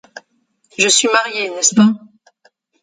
Je suis mariée, n'est-ce pas ?